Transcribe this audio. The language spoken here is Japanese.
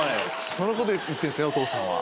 そのこと言ってるお父さんは。